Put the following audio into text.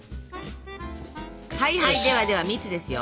はいはいではでは蜜ですよ。